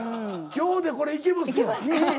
今日でこれいけますよ。